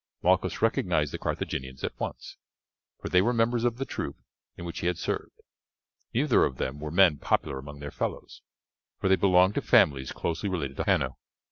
Malchus recognized the Carthaginians at once, for they were members of the troop in which he had served. Neither of them were men popular among their fellows, for they belonged to families closely related to Hanno.